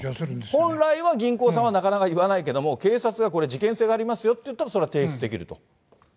本来は銀行さんはなかなか言わないけれども、警察が事件性がありますよって言ったら、それは提出できると。